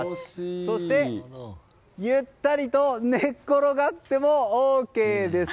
そして、ゆったりと寝転がってもＯＫです。